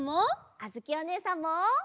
あづきおねえさんも。